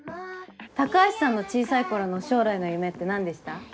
高橋さんの小さい頃の将来の夢って何でした？